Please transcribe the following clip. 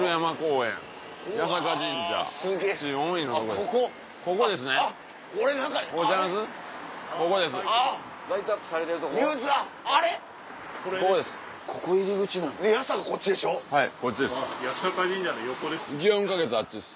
園花月あっちです